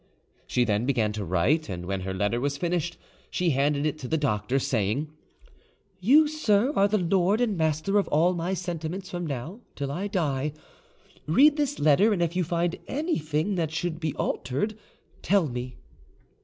She then began to write, and when her letter was finished she handed it to the doctor, saying, "You, sir, are the lord and master of all my sentiments from now till I die; read this letter, and if you find anything that should be altered, tell me."